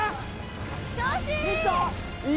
調子いい！